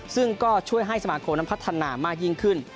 ซึ่งก็ช่วยให้สมาคมนั้นพัฒนามากยิ่งขึ้น